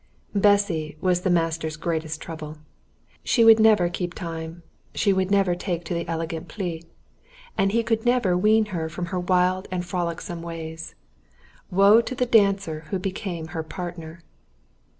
Bessy was the master's greatest trouble. She would never keep time; she would never take to the elegant "pli," and he could never wean her from her wild and frolicsome ways. Woe to the dancer who became her partner!